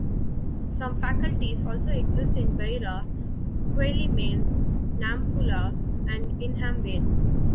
Some faculties also exist in Beira, Quelimane, Nampula and Inhambane.